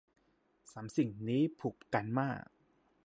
สามสิ่งนี้ผูกกันมาก